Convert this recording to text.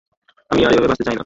আমি আর এভাবে বাঁচতে চাই না।